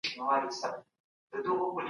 د انسان کرامت باید مات نه سي.